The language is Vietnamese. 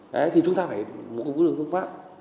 đấy thì chúng ta phải mũi mũi đường công pháp